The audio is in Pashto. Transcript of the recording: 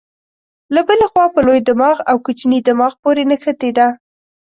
له بلې خوا په لوی دماغ او کوچني دماغ پورې نښتې ده.